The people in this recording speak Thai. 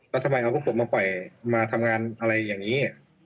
แล้วทำไมเอาพวกผมมาปล่อยมาทำงานอะไรอย่างนี้